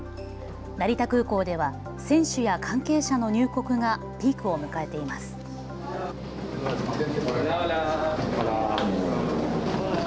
成田空港では選手や関係者の入国がピークを迎えています。